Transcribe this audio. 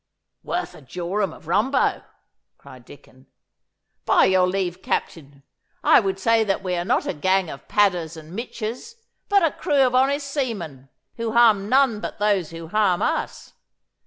'Worth a jorum of rumbo,' cried Dicon. 'By your leave, Captain, I would say that we are not a gang of padders and michers, but a crew of honest seamen, who harm none but those who harm us.